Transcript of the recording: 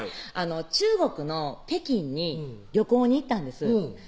中国の北京に旅行に行ったんです